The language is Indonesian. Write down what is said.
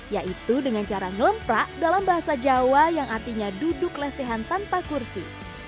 yaitu dengan cara ngelemprak dalam bahasa jawa yang artinya duduk lesehan tanpa kursi